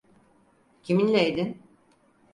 Kiminleydin?